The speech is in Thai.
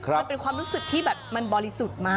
มันเป็นความรู้สึกที่แบบมันบริสุทธิ์มาก